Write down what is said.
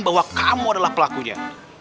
bahwa kamu adalah pelakunya